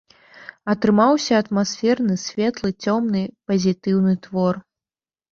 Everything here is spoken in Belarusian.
Атрымаўся атмасферны, светлы, цёмны, пазітыўны твор.